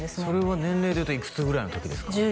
それは年齢でいうといくつぐらいの時ですか？